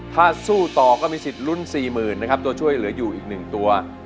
ถ้าสู้ต่อก็มีสิทธิ์ลุ้น๔๐๐๐นะครับตัวช่วยเหลืออยู่อีก๑ตัว